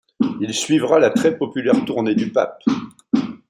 Il suivra la très populaire tournée du Pape.